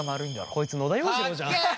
こいつ野田洋次郎じゃん。かっけえ。